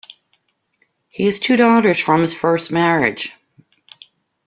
He has two daughters from his first marriage.